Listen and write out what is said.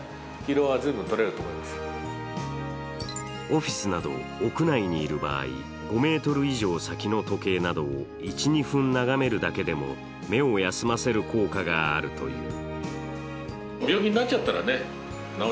オフィスなど屋内にいる場合、５ｍ以上先の時計などを１２分眺めるだけでも目を休ませる効果があるという。